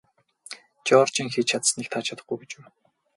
Жоржийн хийж чадсаныг та чадахгүй гэж үү?